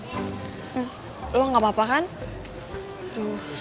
tapi misalnya banyak gratuit kerja yang matchpad